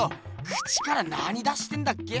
口から何出してんだっけ？